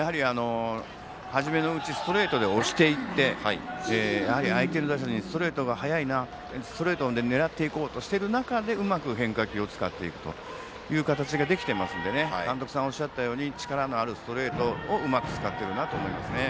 初めのうち、ストレートで押していって、相手の打者にストレートが速いなストレートを狙っていこうとしている中でうまく変化球を使っていく形ができていますので監督さんがおっしゃったように力のあるストレートをうまく使っていると思います。